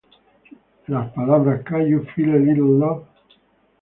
Las palabras "Can you feel a little love?